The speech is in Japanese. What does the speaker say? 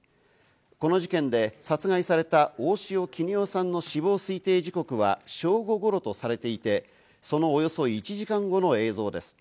この事件で殺害された大塩衣与さんの死亡推定時刻は正午頃とされていて、そのおよそ１時間後の映像です。